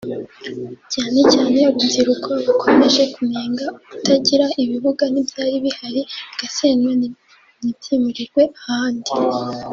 cyane cyane urubyiruko bakomeje kunenga ukutagira ibibuga n’ibyari bihari bigasenywa ntibyimurirwe ahandi